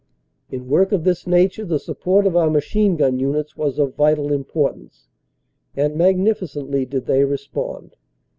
In work of this nature the support of our Machine Gun units was of vital importance, and magnificently did they respond.